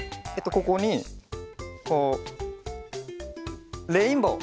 ここにこうレインボー。